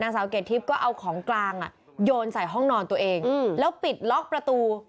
สาวเกรดทิพย์ก็เอาของกลางโยนใส่ห้องนอนตัวเองแล้วปิดล็อกประตู